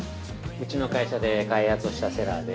◆うちの会社で開発をしたセラーで。